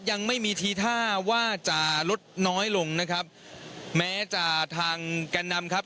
ยังไม่มีทีท่าว่าจะลดน้อยลงนะครับแม้จะทางแก่นนำครับ